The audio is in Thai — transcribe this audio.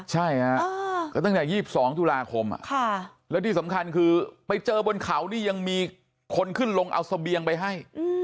ใช่ฮะก็ตั้งแต่๒๒ตุลาคมแล้วที่สำคัญคือไปเจอบนเขานี่ยังมีคนขึ้นลงเอาเสบียงไปให้